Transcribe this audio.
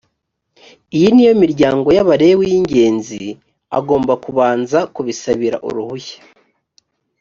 iyi ni yo miryango y abalewi yi ingenzi agomba kubanza kubisabira uruhushya